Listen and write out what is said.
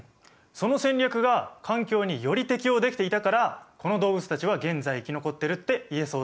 その戦略が環境により適応できていたからこの動物たちは現在生き残ってるって言えそうだ。